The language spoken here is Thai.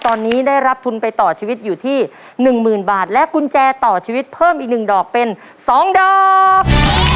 ตอนนี้ได้รับทุนไปต่อชีวิตอยู่ที่หนึ่งหมื่นบาทและกุญแจต่อชีวิตเพิ่มอีกหนึ่งดอกเป็นสองดอก